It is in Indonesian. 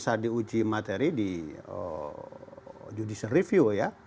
kan kita beda nih pak